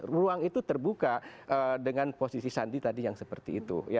ruang itu terbuka dengan posisi sandi tadi yang seperti itu